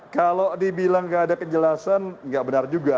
kalau dibilang nggak ada kejelasan nggak benar juga